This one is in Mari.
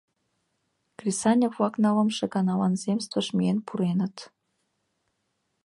Кресаньык-влак нылымше ганалан земствыш миен пуреныт.